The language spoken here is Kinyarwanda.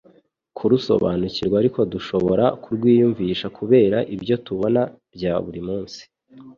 Kurusobanukirwa, ariko dushobora kurwiyumvisha kubera ibyo tubona bya buri munsi.